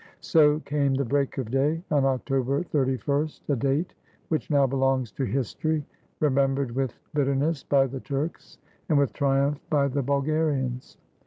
So came the break of day on October 31st, a date which now belongs to history, remembered with bitter ness by the Turks and with triumph by the Bulgarians.